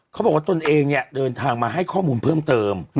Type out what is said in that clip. ตนเองเนี่ยเดินทางมาให้ข้อมูลเพิ่มเติม